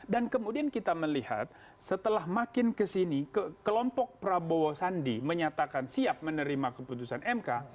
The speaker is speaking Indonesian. dan kemudian kita melihat setelah makin kesini kelompok prabowo sandi menyatakan siap menerima keputusan mk